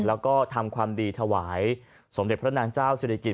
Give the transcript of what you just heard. แล้วก็ทำความดีถวายสมเด็จพระนางเจ้าศิริกิจ